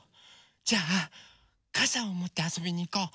じゃあかさをもってあそびにいこう。